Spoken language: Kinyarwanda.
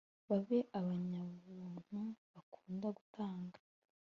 babe abanyabuntu bakunda gutanga